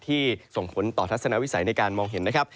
ส่งผลต่อทัศนวิสัยในการมองเห็นนะครับ